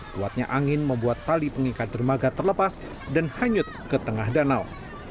kuatnya angin membuat tali pengikat dermaga terlepas dan hanyut ke tengah danau